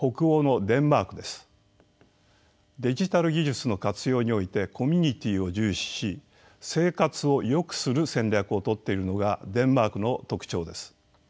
デジタル技術の活用においてコミュニティーを重視し生活をよくする戦略を取っているのがデンマークの特徴です。